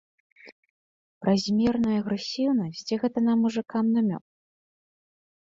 Празмерную агрэсіўнасць ці гэта нам, мужыкам, намёк?